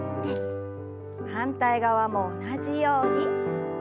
反対側も同じように。